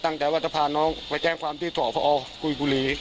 สุดท้ายตัดสินใจเดินทางไปร้องทุกข์การถูกกระทำชำระวจริงและตอนนี้ก็มีภาวะซึมเศร้าด้วยนะครับ